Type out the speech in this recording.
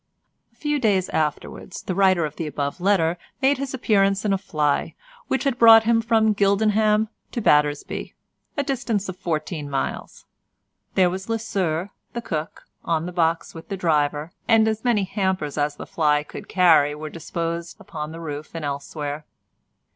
A few days afterwards the writer of the above letter made his appearance in a fly which had brought him from Gildenham to Battersby, a distance of fourteen miles. There was Lesueur, the cook, on the box with the driver, and as many hampers as the fly could carry were disposed upon the roof and elsewhere.